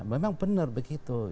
memang benar begitu